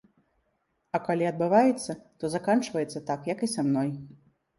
А калі адбываецца, то заканчваецца так, як і са мной.